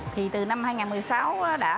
thì từ năm hai nghìn một mươi sáu đã